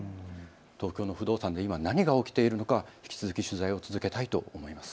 東京の不動産で今、何が起きているのか引き続き取材を続けたいと思います。